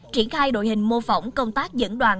triển khai đội hình mô phỏng công tác dẫn đoàn